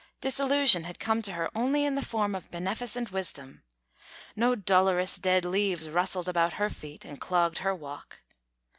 Disillusion had come to her only in the form of beneficent wisdom; no dolorous dead leaves rustled about her feet and clogged her walk.